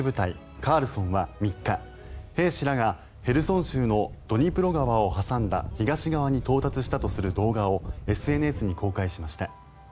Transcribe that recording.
カールソンは３日兵士らがヘルソン州のドニプロ川を挟んだ東側に到達したとする動画をＳＮＳに公開しました。